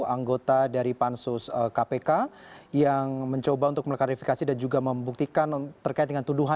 anggota dari pansus kpk yang mencoba untuk mengklarifikasi dan juga membuktikan terkait dengan tuduhan